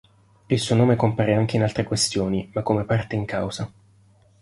Il suo nome compare anche in altre questioni, ma come parte in causa.